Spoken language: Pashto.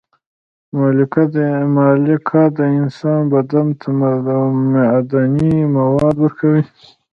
مالګه د انسان بدن ته معدني مواد ورکوي.